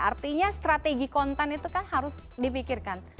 artinya strategi konten itu kan harus dipikirkan